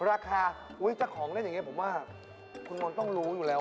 ราคาอุ้ยจากของเล่นอย่างนี้ผมว่าคุณพอร์นต้องรู้อยู่แล้วอ่ะ